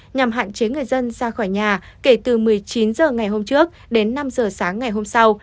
nhằm hạn chế người dân ra khỏi nhà kể từ một mươi chín h ngày hôm trước đến năm h sáng ngày hôm sau